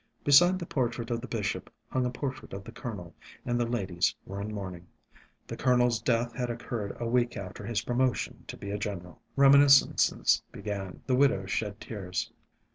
Beside the portrait of the bishop hung a portrait of the Colonel, and the ladies were in mourning. The Colonel's death had occurred a week after his promotion to be a general. Reminiscences began. ... The widow shed tears.